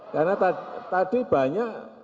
karena tadi banyak